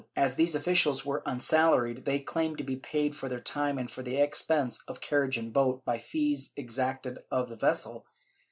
As these officials were unsalaried, they claimed to be paid for their time and for the expense of a carriage and boat, by fees exacted of the vessel.